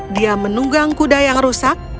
dia menunggang kuda yang rusak